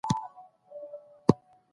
د ده ژبه ساده ده، خو معنا ژوره ده.